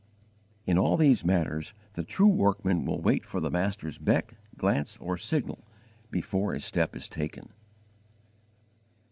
In all these matters the true workman will wait for the Master's beck, glance, or signal, before a step is taken.